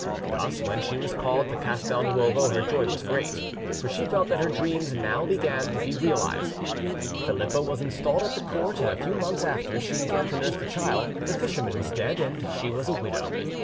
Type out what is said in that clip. Thus when she was called to Castel Nuovo her joy was great, for she felt that her dreams now began to be realised. Philippa was installed at the court, and a few months after she began to nurse the child the fisherman was dead and she was a widow.